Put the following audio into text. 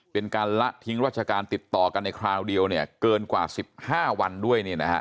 เป็นการละทิ้งราชการติดต่อกันในคราวเดียวเกินกว่า๑๕วันด้วย